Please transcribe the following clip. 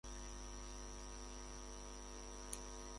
Nicolás es el mayor de ellos.